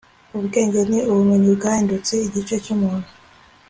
ubwenge ni ubumenyi bwahindutse igice cy'umuntu